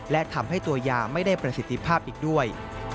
และทำให้ตัวยาไม่ได้ประสิทธิภาพอีกด้วย